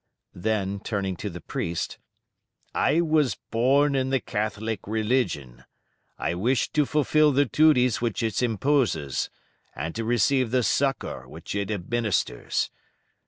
Then turning to the priest "I was born in the Catholic religion. I wish to fulfil the duties which it imposes, and to receive the succour which it administers.